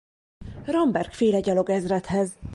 Ramberg-féle gyalogezredhez.